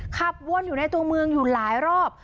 ขับวนอยู่ในตัวเมืองอยู่หลายรอบ